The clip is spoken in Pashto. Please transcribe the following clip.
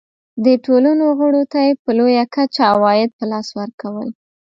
دې ټولنو غړو ته یې په لویه کچه عواید په لاس ورکول.